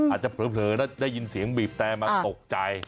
อาจจะเผลอแล้วได้ยินเสียงบีบแต่มาตกใจ